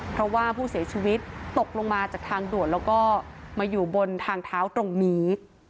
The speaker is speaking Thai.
เพราะว่าผู้เสียชีวิตตกลงมาจากทางด่วนแล้วก็มาอยู่บนทางเท้าตรงนี้